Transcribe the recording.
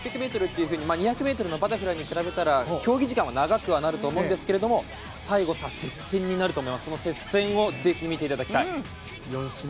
２００ｍのバタフライに比べたら競技時間は長くなるとは思うんですけれども最後、接戦になると思いますのでその接戦を見てもらいたいです。